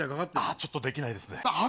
ちょっとできないですね。